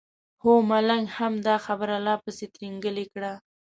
هو ملنګ هم دا خبره لا پسې ترینګلې کړه.